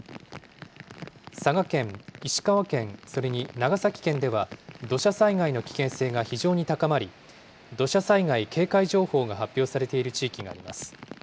佐賀県、石川県、それに長崎県では、土砂災害の危険性が非常に高まり、土砂災害警戒情報が発表されている地域があります。